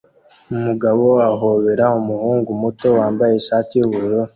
Umugabo ahobera umuhungu muto wambaye ishati yubururu